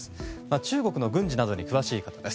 中国の軍事などに詳しい方です。